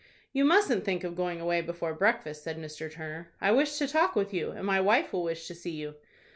"You mustn't think of going away before breakfast," said Mr. Turner; "I wish to talk with you, and my wife will wish to see you."